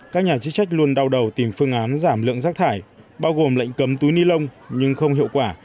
các nhà chức trách luôn đau đầu tìm phương án giảm lượng rác thải bao gồm lệnh cấm túi ni lông nhưng không hiệu quả